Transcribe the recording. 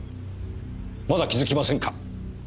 まだ気づきませんか？